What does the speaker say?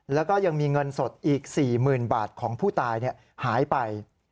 แล้วก็ยังมีเงินสดอีก๔๐๐๐บาทของผู้ตายหายไป